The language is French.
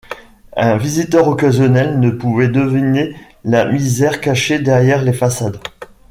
Un visiteur occasionnel ne pouvait deviner la misère cachée derrière les façades.